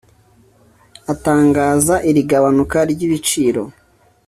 Atangaza iri gabanuka ry’ibiciro